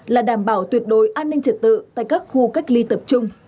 là đảm bảo tuyệt đối an ninh trật tự tại các khu cách ly tập trung